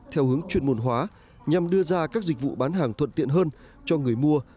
theo hướng chuyên môn hóa nhằm đưa ra các dịch vụ bán hàng thuận tiện hơn cho người mua